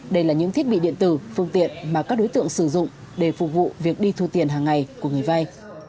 đây là những thiết bị điện tử phương tiện mà các đối tượng sử dụng để phục vụ việc đi thu tiền hàng ngày của người vay